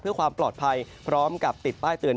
เพื่อความปลอดภัยพร้อมกับติดป้ายเตือน